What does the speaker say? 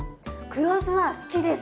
黒酢は好きです。